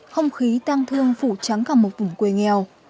không khí tang thương phủ trắng cả một vùng quê nghèo